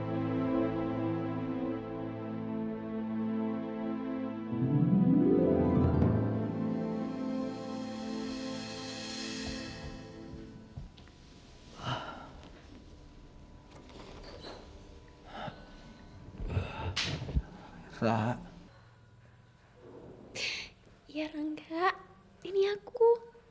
aku juga sayang sama kamu